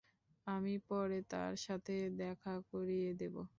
আমি পড়ে তার সাথে দেখা করিয়ে দেবা।